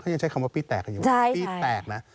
เขายังใช้คำว่าปี๊ดแตกอ่ะปี๊ดแตกนะ